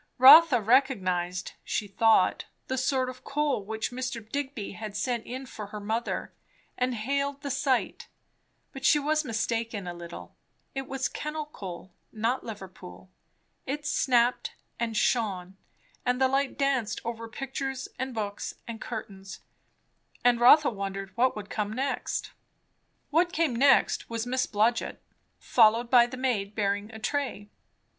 Rotha recognized, she thought, the sort of coal which Mr. Digby had sent in for her mother, and hailed the sight; but she was mistaken, a little; it was kennal coal, not Liverpool. It snapped and shone, and the light danced over pictures and books and curtains; and Rotha wondered what would come next. What came next was Miss Blodgett, followed by the maid bearing a tray.